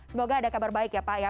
semoga ada kabar baik ya pak ya